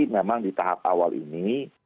memang di tahap awal ini